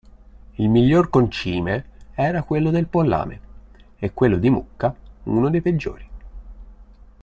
Il miglior concime era quello del pollame, e quello di mucca uno dei peggiori.